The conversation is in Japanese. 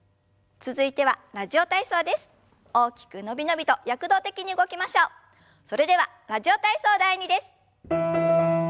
それでは「ラジオ体操第２」です。